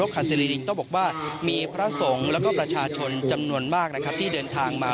จะบอกว่ามีพระทรงแล้วก็ประชาชนจำนวนมากครับที่เดินทางมา